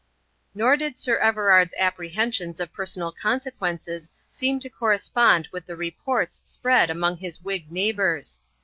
Nor did Sir Everard's apprehensions of personal consequences seem to correspond with the reports spread among his Whig neighbours.